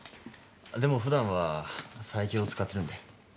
でも普段は佐伯を使ってるんで。